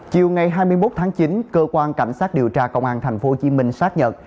chiều ngày hai mươi một tháng chín cơ quan cảnh sát điều tra công an thành phố hồ chí minh xác nhận